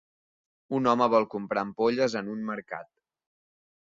Un home vol comprar ampolles en un mercat.